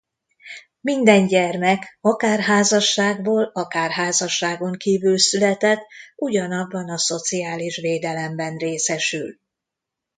Minden gyermek, akár házasságból, akár házasságon kívül született, ugyanabban a szociális védelemben részesül.